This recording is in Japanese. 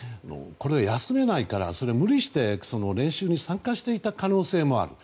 休めないから無理して練習に参加していた可能性もある。